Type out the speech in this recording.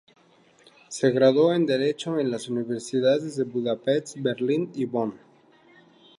Se graduó en Derecho en las universidades de Budapest, Berlín y Bonn.